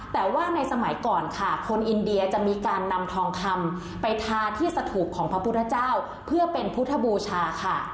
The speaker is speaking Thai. แต่ว่าในสมัยก่อนค่ะคนอินเดียจะมีการนำทองคำไปทาที่สถุปของพระพุทธเจ้าเพื่อเป็นพุทธบูชาค่ะ